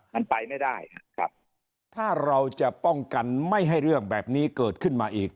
มันไปไม่ได้ครับถ้าเราจะป้องกันไม่ให้เรื่องแบบนี้เกิดขึ้นมาอีก